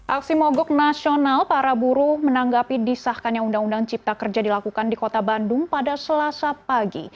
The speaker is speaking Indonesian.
aksi mogok nasional para buruh menanggapi disahkannya undang undang cipta kerja dilakukan di kota bandung pada selasa pagi